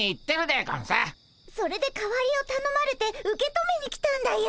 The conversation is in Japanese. それで代わりをたのまれて受け止めに来たんだよ。